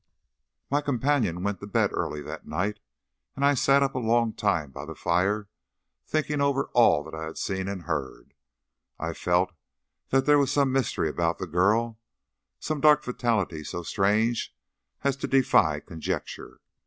My companion went to bed early that night, and I sat up a long time by the fire, thinking over all that I had seen and heard. I felt that there was some mystery about the girl some dark fatality so strange as to defy conjecture.